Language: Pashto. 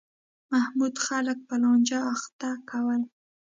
محمود خلک په لانجه اخته کول.